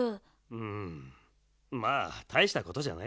うんまあたいしたことじゃないだろ。